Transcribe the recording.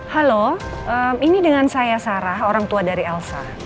halo ini dengan saya sarah orang tua dari elsa